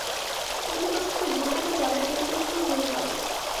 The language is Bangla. প্রতিবছর তো গুহাটা জলে টইটুম্বুর হয়ে পড়ে।